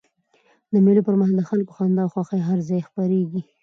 د مېلو پر مهال د خلکو خندا او خوښۍ هر ځای خپریږي.